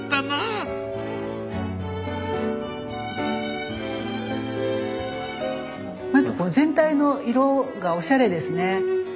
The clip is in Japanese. まず全体の色がおしゃれですね。